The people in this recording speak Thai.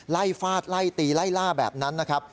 ฟาดไล่ตีไล่ล่าแบบนั้นนะครับ